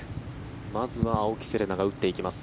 まずは青木瀬令奈が打っていきます。